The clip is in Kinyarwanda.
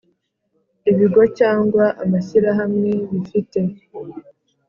Ibigo cyangwa amashyirahamwe bifite